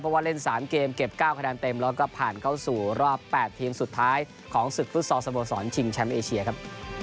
เพราะว่าเล่น๓เกมเก็บ๙คะแนนเต็มแล้วก็ผ่านเข้าสู่รอบ๘ทีมสุดท้ายของศึกฟุตซอลสโมสรชิงแชมป์เอเชียครับ